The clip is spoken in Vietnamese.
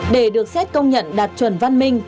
để được xét công nhận đạt chuẩn văn minh